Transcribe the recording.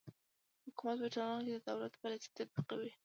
حکومت په ټولنه کې د دولت پالیسي تطبیقوي.